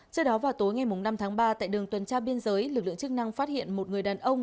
trước đó vào tối ngày năm tháng ba tại đường tuần tra biên giới lực lượng chức năng phát hiện một người đàn ông